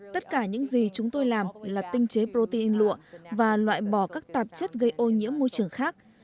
tất cả những gì chúng tôi làm là tinh chế protein lụa và loại bỏ các tạp chất gây ô nhiễm môi trường khác